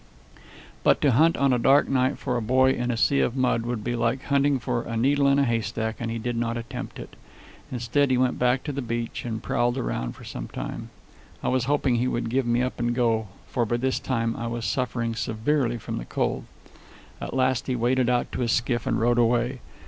But to hunt on a dark night for a boy in a sea of mud would be like hunting for a needle in a haystack, and he did not attempt it. Instead he went back to the beach and prowled around for some time. I was hoping he would give me up and go, for by this time I was suffering severely from the cold. At last he waded out to his skiff and rowed away.